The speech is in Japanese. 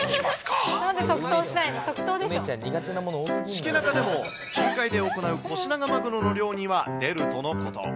しけ中でも、近海で行うコシナガマグロの漁には出るとのこと。